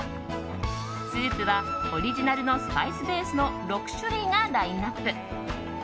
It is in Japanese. スープはオリジナルのスパイスベースの６種類がラインアップ。